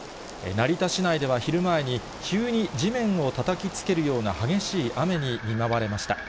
成田市内では昼前に、急に地面をたたきつけるような激しい雨に見舞われました。